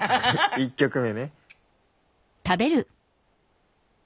１曲目ね。